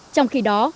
trong khi đó